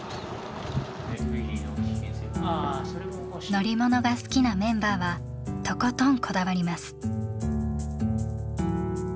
乗り物が好きなメンバーはとことんこだわります。